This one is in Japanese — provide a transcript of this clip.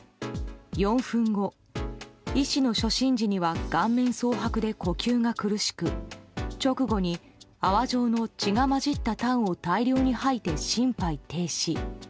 ４分後、医師の初診時には顔面蒼白で呼吸が苦しく直後に泡状の血が混じったたんを大量に吐いて心肺停止。